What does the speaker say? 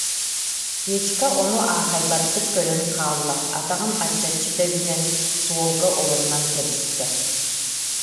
Петька ону аахайбаттык көрөн хаалла, атаҕын аччаччы тэбинэн, суолга олорунан кэбистэ.